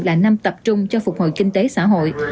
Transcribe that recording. là năm tập trung cho phục hồi kinh tế xã hội